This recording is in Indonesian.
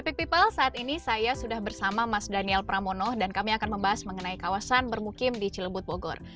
epic people saat ini saya sudah bersama mas daniel pramono dan kami akan membahas mengenai kawasan bermukim di cilebut bogor